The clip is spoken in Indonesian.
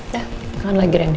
dah kau lagi reni